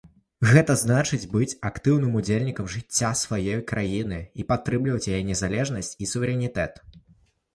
Гэта значыць быць актыўным удзельнікам жыцця сваёй краіны і падтрымліваць яе незалежнасць і суверэнітэт.